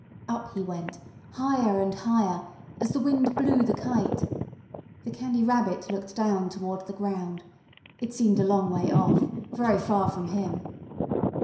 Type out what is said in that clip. Up he went, higher and higher, as the wind blew the kite. The Candy Rabbit looked down toward the ground. It seemed a long way off very far from him.